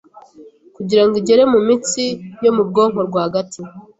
kugira ngo igere mu mitsi yo mu bwonko rwagati